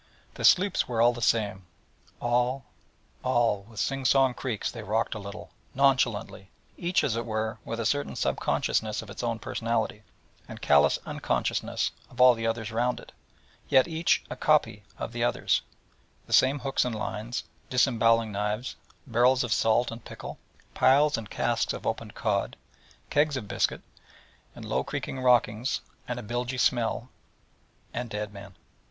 The sloops were all the same, all, all: with sing song creaks they rocked a little, nonchalantly: each, as it were, with a certain sub consciousness of its own personality, and callous unconsciousness of all the others round it: yet each a copy of the others: the same hooks and lines, disembowelling knives, barrels of salt and pickle, piles and casks of opened cod, kegs of biscuit, and low creaking rockings, and a bilgy smell, and dead men.